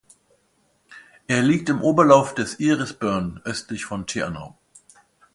Er liegt im Oberlauf des Iris Burn östlich von Te Anau.